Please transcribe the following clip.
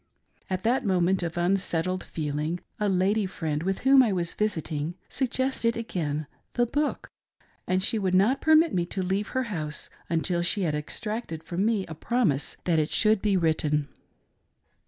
At that moment of unsettled feehng, a lady friend, with whom I was visiting, suggested again " the book ;" and she would not permit me to leave her house, until she had exacted from me a promise that it should be written.